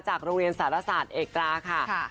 โรงเรียนสารศาสตร์เอกราค่ะ